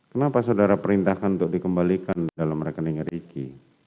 kenapa saudara perintahkan untuk dikembalikan dalam rekening ricky